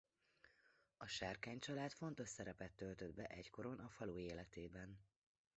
A Sárkány család fontos szerepet töltött be egykoron a falu életében.